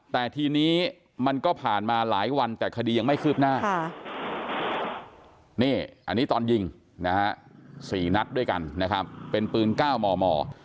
แต่ทีนี้มันก็ผ่านมาหลายวันแต่คดียังไม่คืบหน้านี่อันนี้ตอนยิงนะฮะ๔นัดด้วยกันนะครับเป็นปืน๙มม